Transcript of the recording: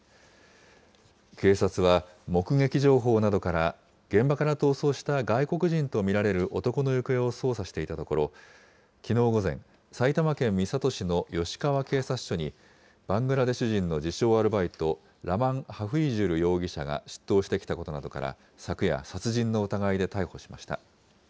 警察は目撃情報などから、現場から逃走した外国人と見られる男の行方を捜査していたところ、きのう午前、埼玉県三郷市の吉川警察署に、バングラデシュ人の自称アルバイト、ラマン・ハフイジュル容疑者が出頭してきたことなどから、昨夜、殺人の疑いで逮捕しました。